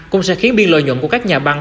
cũng sẽ khiến biên lợi nhuận của các nhà băng